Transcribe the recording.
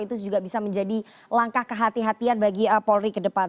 itu juga bisa menjadi langkah kehatian kehatian bagi polri ke depan